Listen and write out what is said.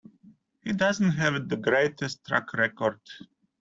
He doesn't have the greatest track record.